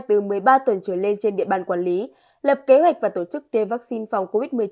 từ một mươi ba tuần trở lên trên địa bàn quản lý lập kế hoạch và tổ chức tiêm vaccine phòng covid một mươi chín